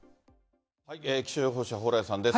気象予報士、蓬莱さんです。